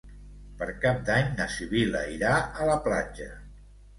Per Cap d'Any na Sibil·la irà a la platja.